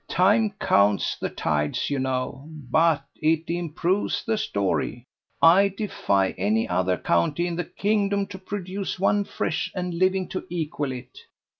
Time counts the tides, you know. But it improves the story. I defy any other county in the kingdom to produce one fresh and living to equal it.